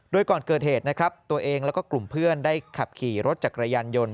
โดยก่อนเกิดเหตุนะครับตัวเองแล้วก็กลุ่มเพื่อนได้ขับขี่รถจักรยานยนต์